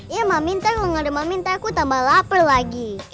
ya maminta kalo gak ada maminta aku tambah lapar lagi